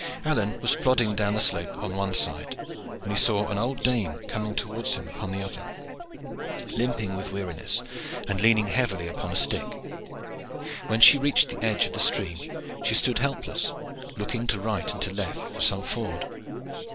Alleyne was plodding down the slope upon one side, when he saw an old dame coming towards him upon the other, limping with weariness and leaning heavily upon a stick. When she reached the edge of the stream she stood helpless, looking to right and to left for some ford.